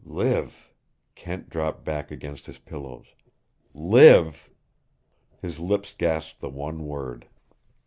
"Live!" Kent dropped back against his pillows. "LIVE!" His lips gasped the one word.